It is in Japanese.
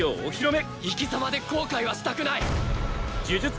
生き様で後悔はしたくない！